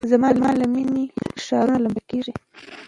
زما له میني لوی ښارونه لمبه کیږي